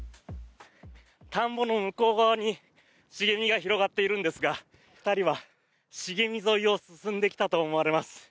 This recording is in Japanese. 田んぼの向こう側に茂みが広がっているんですが２人は茂み沿いを進んできたと思われます。